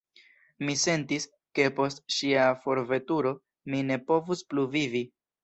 Mi sentis, ke post ŝia forveturo, mi ne povus plu vivi.